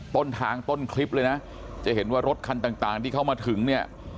ต้นทางต้นคลิปเลยนะจะเห็นว่ารถคันต่างที่เข้ามาถึงเนี่ย